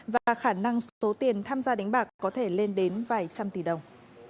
và khả năng số tiền tham gia đánh bạc có thể lên đến vài trăm tỷ đồng